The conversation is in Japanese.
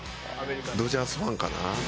ドジャースファンかな？